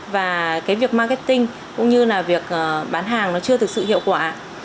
và việc marketing cũng như việc bán hàng chưa thực sự hiệu quả